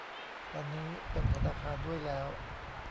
ตอนนี้เป็นธนาคารด้วยแล้ว